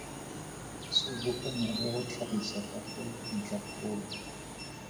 Sobokanya le go tlhagisa gape ntlhakgolo.